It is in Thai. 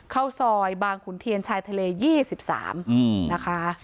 เข้าซอยบางขุนเทียนชายทะเล๒๓นะคะ